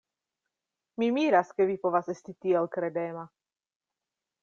Mi miras, ke vi povas esti tiel kredema!